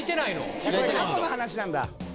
過去の話なんだ。